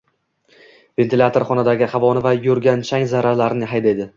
ventilyator xonadagi havoni va yurgan chang zarralarini haydaydi.